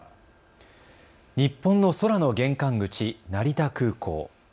日本の空の玄関口、成田空港。